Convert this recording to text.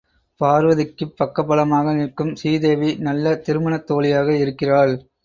பார்வதிக்குப் பக்கபலமாக நிற்கும் சீதேவி நல்ல திருமணத் தோழியாக இருக்கிறாள்.